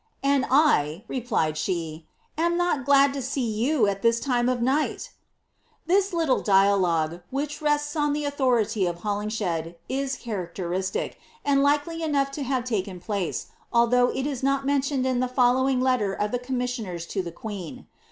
^ And 1,^' replied she, ^ am not glad to see you at this time of night P' This little dialogue, which rests on the authority of Holinshed, is characteristic, and likely enough to have taken place, although it is not mentioned in the following letter of the commissioners to the queen.